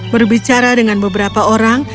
berbicara dengan beberapa orang